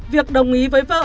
việc đồng ý với vợ